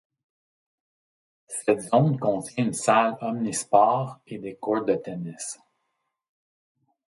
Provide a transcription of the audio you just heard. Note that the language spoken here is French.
Cette zone contient une salle omnisports et des courts de tennis.